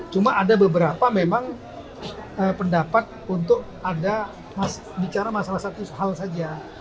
cuma ada beberapa memang pendapat untuk ada bicara masalah satu hal saja